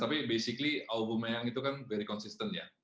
tapi sebenarnya aubameyang itu sangat konsisten